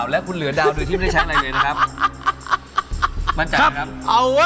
และเหลือดาวด้วยที่ไม่ใช้อะไรเลยนะฮะ